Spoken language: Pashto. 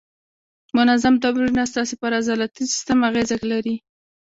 منظم تمرینونه ستاسې پر عضلاتي سیستم اغېزه لري.